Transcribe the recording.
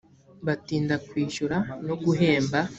batinda kwishyura no guhemba